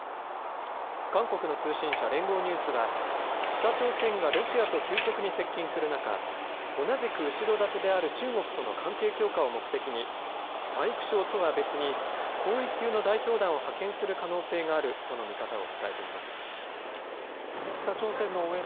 韓国の通信社、連合ニュースは北朝鮮がロシアと急速に接近する中同じく後ろ盾である中国との関係強化を目的に体育相とは別に高位級の代表団を派遣する可能性があるとの見方を伝えています。